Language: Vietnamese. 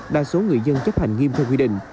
đa số người dân chấp hành nghiêm theo quy định